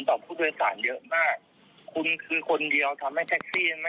ผมรับเงินสดอย่างเดียวครับ